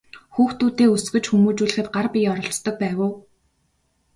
Хүүхдүүдээ өсгөж хүмүүжүүлэхэд гар бие оролцдог байв уу?